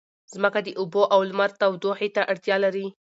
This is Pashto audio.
ځمکه د اوبو او لمر تودوخې ته اړتیا لري.